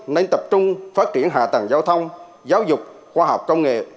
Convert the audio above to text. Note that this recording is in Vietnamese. nên tập trung phát triển hạ tầng giao thông giáo dục khoa học công nghệ